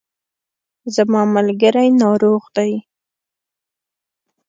زما ملګری ناروغ دی